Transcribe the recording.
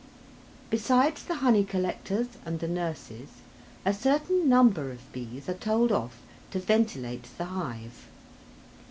Besides the honey collectors and the nurses, a certain number of bees are told off to ventilate the hive.